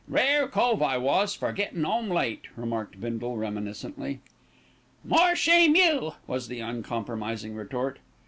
"Rare cove I was for gettin' 'ome late," remarked Bindle reminiscently. "More shame you," was the uncompromising retort.